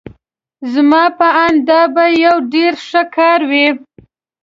زما په آند دا به یو ډېر ښه کار وي.